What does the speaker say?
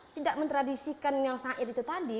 tidak mentradisikan yang syair itu tadi